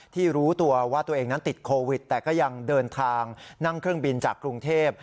รู้ตัวว่าตัวเองนั้นติดโควิดแต่ก็ยังเดินทางนั่งเครื่องบินจากกรุงเทพ